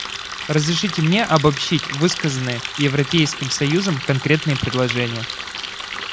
Разрешите мне обобщить высказанные Европейским союзом конкретные предложения.